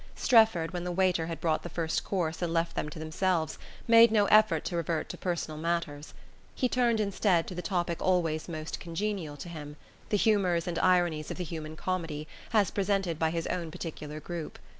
Strefford, when the waiter had brought the first course and left them to themselves, made no effort to revert to personal matters. He turned instead to the topic always most congenial to him: the humours and ironies of the human comedy, as presented by his own particular group.